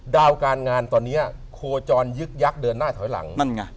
ดาวการงานตอนนี้โคจรยึกยักษ์เดินหน้าถอยหลังนั่นไง